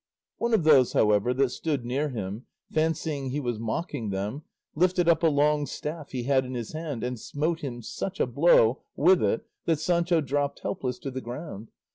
One of those, however, that stood near him, fancying he was mocking them, lifted up a long staff he had in his hand and smote him such a blow with it that Sancho dropped helpless to the ground.